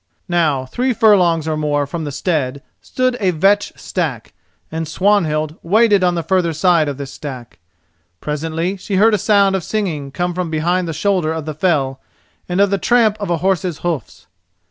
Now three furlongs or more from the stead stood a vetch stack, and Swanhild waited on the further side of this stack. Presently she heard a sound of singing come from behind the shoulder of the fell and of the tramp of a horse's hoofs.